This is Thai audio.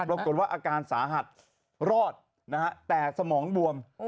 หนูว่าอยู่ที่มุม